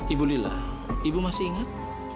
ibu lila ibu masih ingat